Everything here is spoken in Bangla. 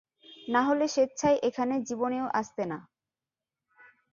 নাহলে স্বেচ্ছায় এখানে জীবনেও আসতে না।